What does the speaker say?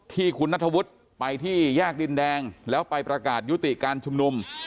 ที่คุณนัทธวุฒิไปที่แยกดินแดงแล้วไปประกาศยุติการชุมนุม